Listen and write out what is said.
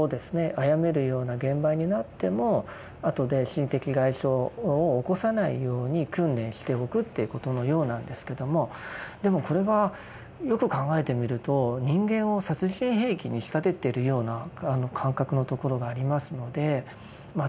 殺めるような現場になっても後で心的外傷を起こさないように訓練しておくということのようなんですけどもでもこれはよく考えてみると人間を殺人兵器に仕立ててるような感覚のところがありますのでまあ